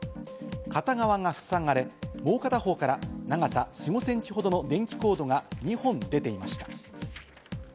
片側がふさがれ、もう片方から長さ４５センチほどの電気コードが２本でていました。